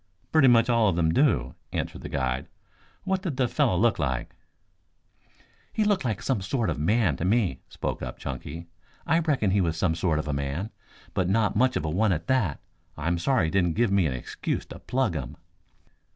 "Pretty much all of them do," answered the guide. "What did the fellow look like?" "He looked like some sort of a man to me," spoke up Chunky. "I reckon he was some sort of a man, but not much of a one at that. I'm sorry he didn't give me an excuse to plug him."